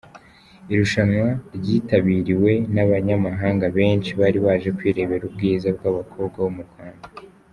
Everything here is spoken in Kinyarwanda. Irushanwa ryitabiriwe n’ abanyamahanga benshi bari baje kwirebera ubwiza bw’ abakobwa bo mu Rwanda .